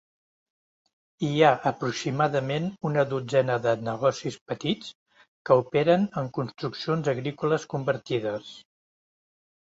Hi ha aproximadament una dotzena de negocis petits que operen en construccions agrícoles convertides.